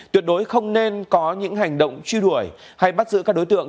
tuyệt đối không nên có những hành động truy đuổi hay bắt giữ các đối tượng